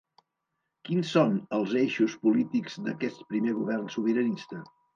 Quins són els eixos polítics d’aquest primer govern sobiranista?